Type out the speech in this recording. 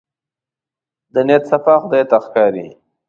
د نيت صفا خدای ته ښکاري.